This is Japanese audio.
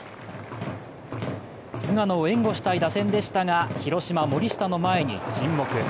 菅野を援護したい打線でしたが、広島・森下の前に沈黙。